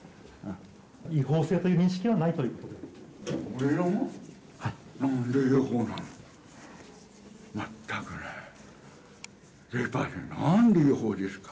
違法性という認識はないということですか。